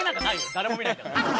誰も見ないんだから。